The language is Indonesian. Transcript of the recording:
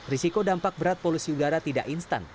risiko dampak berat polusi udara tidak instan